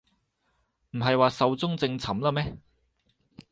唔係話壽終正寢喇咩